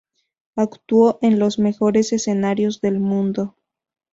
Actuó en los mejores escenarios del mundo.